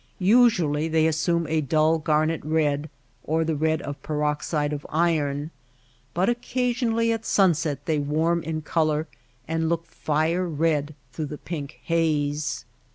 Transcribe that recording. Usually they assume a dull garnet red, or the red of peroxide of iron ; but occasionally at sunset they warm in color and look fire red through the pink haze.